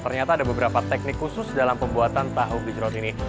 ternyata ada beberapa teknik khusus dalam pembuatan tahu gejrot ini